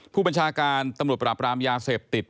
ผู้บัญชาการตำรวจปราบรามยาเสพติด